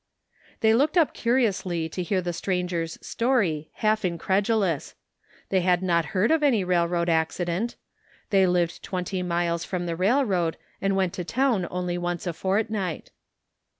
They looked up curiously to hear the stranger's story, half incredulous. They had not heard of any railroad accident. They lived twenty miles from the railroad and went to town only once a fortnight.